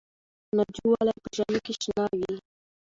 ناجو ولې په ژمي کې شنه وي؟